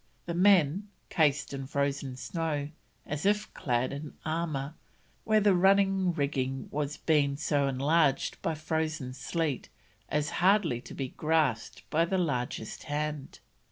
the men, cased in frozen snow, as if clad in armour, where the running rigging has been so enlarged by frozen sleet as hardly to be grasped by the largest hand...